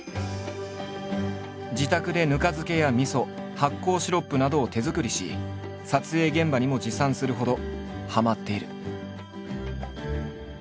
自宅でぬか漬けやみそ発酵シロップなどを手作りし撮影現場にも持参するほどはまっている。